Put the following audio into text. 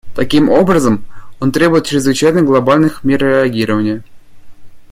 Таким образом, он требует чрезвычайных глобальных мер реагирования.